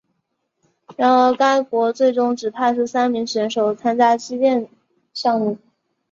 然而该国最终只派出三名选手参加击剑项目。